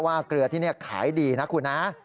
เกลือที่นี่ขายดีนะคุณนะ